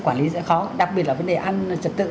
quản lý sẽ khó đặc biệt là vấn đề ăn trật tự